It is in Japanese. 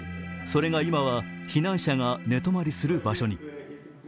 それが今は避難者が寝泊まりする場所に。